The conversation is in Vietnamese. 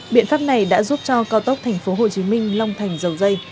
biện pháp này đã giúp cho cao tốc tp hcm long thành dầu dây